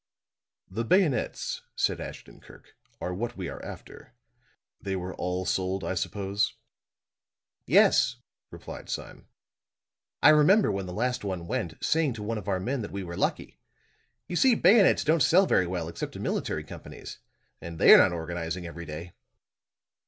"The bayonets," said Ashton Kirk, "are what we are after. They were all sold, I suppose?" "Yes," replied Sime. "I remember, when the last one went, saying to one of our men that we were lucky. You see, bayonets don't sell very well except to military companies; and they are not organizing every day."